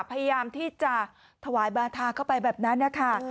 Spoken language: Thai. พยายามที่จะถวายบาธาเข้าไปแบบนั้นนะคะ